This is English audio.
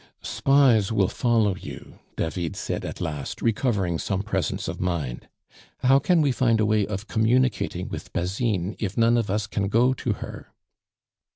"Spies will follow you," David said at last, recovering some presence of mind. "How can we find a way of communicating with Basine if none of us can go to her?"